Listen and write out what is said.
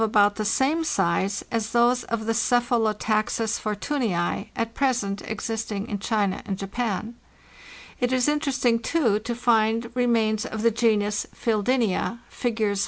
THE JOURNEY SOUTHWARD 561 about the same size as those of the Cephalotaxus Fortunet, at present existing in China and Japan. It is interest ing, too, to find remains of the genus Fecldenza (Figs.